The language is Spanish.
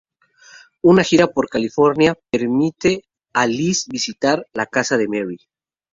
Una gira por California permite a Liz visitar la casa de Merry.